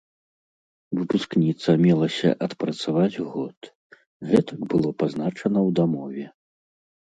Выпускніца мелася адпрацаваць год, гэтак было пазначана ў дамове.